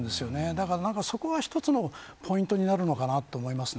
だから、そこは一つのポイントになるのかなと思います。